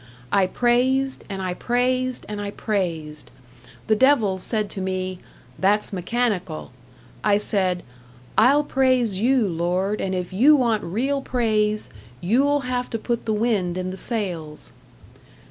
I praised, and I praised, and I praised. The devil said to me, "That's mechanical." I said, "I'll praise You Lord, and if You want real praise, You'll have to put the wind in the sails."